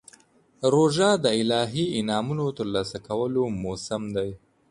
روژه د الهي انعامونو ترلاسه کولو موسم دی.